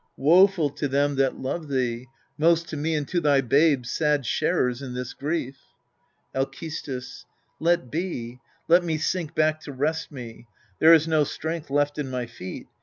Woeful to them that love thee : most to me And to thy babes, sad sharers in this grief. Alcestis. Let be let me sink back to rest me : There is no strength left in my feet.